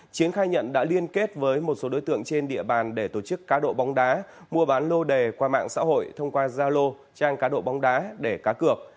chiến khai nhận đã liên kết với một số đối tượng trên địa bàn để tổ chức cá độ bóng đá mua bán lô đề qua mạng xã hội thông qua zalo trang cá độ bóng đá để cá cược